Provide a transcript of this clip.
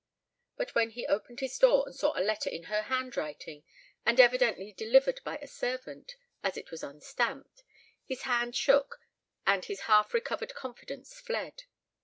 But when he opened his door and saw a letter in her handwriting, and evidently delivered by a servant, as it was unstamped, his hand shook and his half recovered confidence fled.